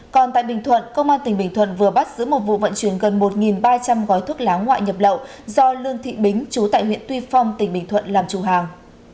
còn tại bình thuận công an tỉnh bình thuận vừa bắt giữ một vụ vận chuyển gần một ba trăm linh gói thuốc lá ngoại nhập lậu do lương thị bính chú tại huyện tuy phong tỉnh bình thuận làm chủ hàng